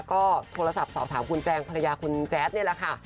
ก็โทรศัพท์สอบถามคุณแจงภรรยาคุณแจ๊ดนี่แหละค่ะ